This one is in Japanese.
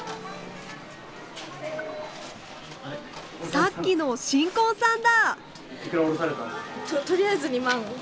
さっきの新婚さんだ！